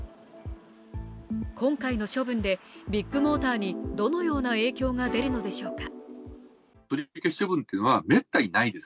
今回の処分でビッグモーターにどのような影響が出るのでしょうか。